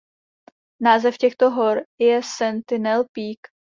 Název těchto hor je Sentinel Peak.